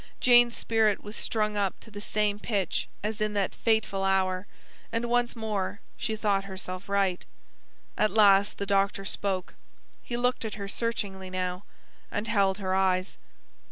Jane's spirit was strung up to the same pitch as in that fateful hour, and once more she thought herself right. At last the doctor spoke. He looked at her searchingly now, and held her eyes.